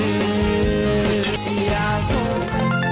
อยากโทรไปหาจัง